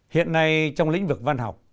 hiện nay trong lĩnh vực văn học